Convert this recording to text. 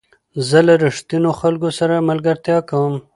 زه له رښتینو خلکو سره ملګرتیا کوم.